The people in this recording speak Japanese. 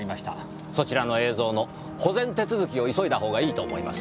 そちらの映像の保全手続きを急いだほうがいいと思います。